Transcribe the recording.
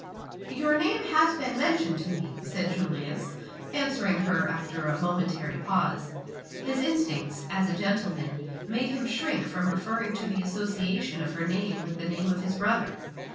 "Your name has been mentioned to me," said Julius, answering her after a momentary pause. His instincts, as a gentleman, made him shrink from referring to the association of her name with the name of his brother.